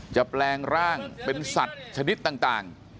แปลงร่างเป็นสัตว์ชนิดต่าง